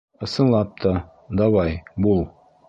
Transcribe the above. Ысынлап та, давай, бул.